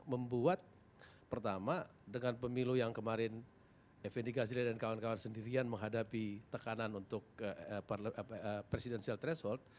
membuat pertama dengan pemilu yang kemarin effendi ghazril dan kawan kawan sendirian menghadapi tekanan untuk presidensial threshold